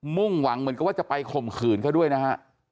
มุ่งหวังเหมือนกับว่าจะไปข่มขืนเขาด้วยนะฮะ